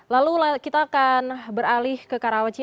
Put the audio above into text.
lalu kita akan beralih ke karawaci